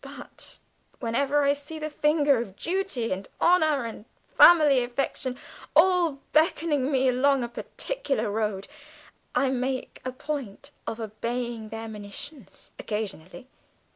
But whenever I see the finger of duty and honour and family affection all beckoning me along a particular road, I make a point of obeying their monitions occasionally.